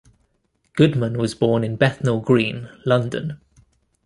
Goodman was born in Bethnal Green, London.